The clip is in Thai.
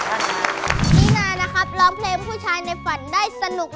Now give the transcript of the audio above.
นี่นานนะครับร้องเพลงผู้ชายในฝันได้สนุก